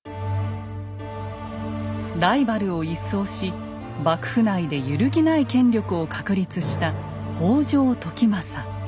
ライバルを一掃し幕府内で揺るぎない権力を確立した北条時政。